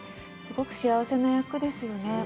すごく幸せな役ですよね。